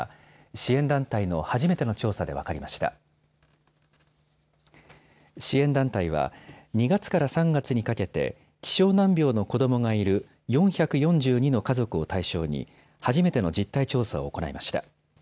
支援団体は２月から３月にかけて希少難病の子どもがいる４４２の家族を対象に初めての実態調査を行いました。